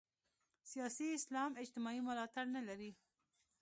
سیاسي اسلام اجتماعي ملاتړ نه لري.